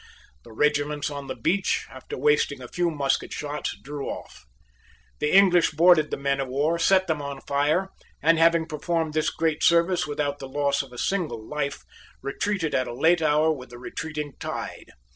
The regiments on the beach, after wasting a few musket shots, drew off. The English boarded the men of war, set them on fire, and having performed this great service without the loss of a single life, retreated at a late hour with the retreating tide.